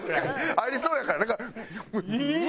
ありそうやからなんか。